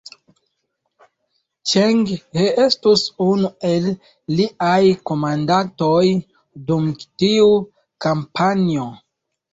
Ĉeng He estus unu el liaj komandantoj dum tiu kampanjo.